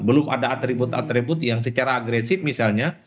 belum ada atribut atribut yang secara agresif misalnya